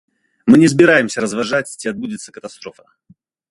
Мы не збіраемся разважаць, ці адбудзецца катастрофа.